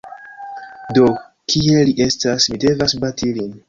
Do, kie li estas; mi devas bati lin